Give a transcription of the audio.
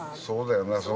そうだよな。